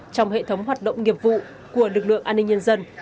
trong hệ thống hoạt động nghiệp vụ của lực lượng an ninh nhân dân